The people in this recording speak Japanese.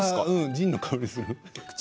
ジンの香りがする。